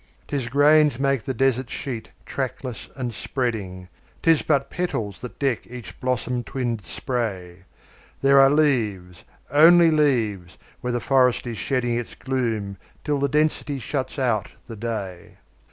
'Tis grains make the desert sheet, trackless and spreading; 'Tis but petals that deck every blossom twinned spray; There are leaves only leaves where the forest is shedding Its gloom till the density shuts out the day.